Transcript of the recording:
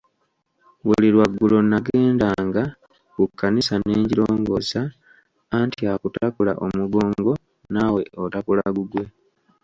Buli lwaggulo nagendanga ku kkanisa ne ngirongoosa anti akutakula omugongo naawe otakula gugwe.